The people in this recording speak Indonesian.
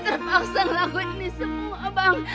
terpaksa ngelakuin ini semua bang